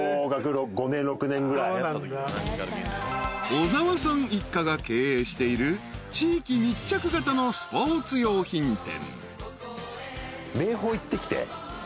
［小沢さん一家が経営している地域密着型のスポーツ用品店］